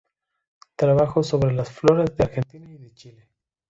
Trabajó sobre las floras de Argentina y de Chile.